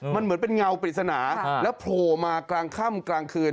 มันเหมือนเป็นเงาปริศนาแล้วโผล่มากลางค่ำกลางคืน